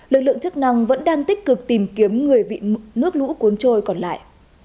lực lượng chức năng vẫn đang tích cực tìm kiếm người bị nước lũ cuốn trôi còn lại